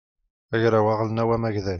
agraw aɣelnaw amagday